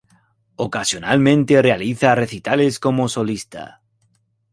Ocasionalmente realiza recitales como solista.